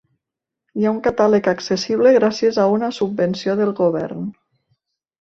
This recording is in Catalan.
Hi ha un catàleg accessible gràcies a una subvenció del govern.